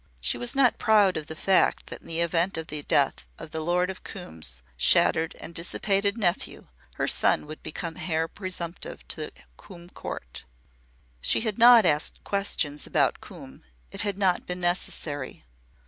She was not proud of the fact that in the event of the death of Lord Coombe's shattered and dissipated nephew her son would become heir presumptive to Coombe Court. She had not asked questions about Coombe. It had not been necessary.